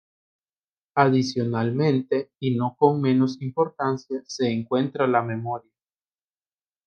Adicionalmente, y no con menos importancia, se encuentra la memoria.